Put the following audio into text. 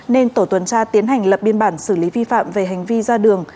nên tổ tuần tra tiến hành lập biên bản xử lý vi phạm về hành vi ra đường